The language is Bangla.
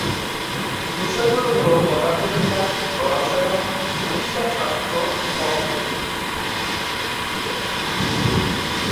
বিষয়গুলো হল: পদার্থবিজ্ঞান, রসায়ন, চিকিৎসা শাস্ত্র, অর্থনীতি, সাহিত্য এবং শান্তি।